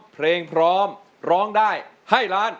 ไม่ใช้ครับไม่ใช้ครับ